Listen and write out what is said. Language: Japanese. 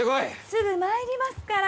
すぐ参りますから。